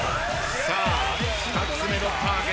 さあ２つ目のターゲット。